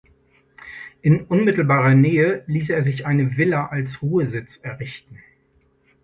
In unmittelbarer Nähe ließ er sich eine Villa als Ruhesitz errichten.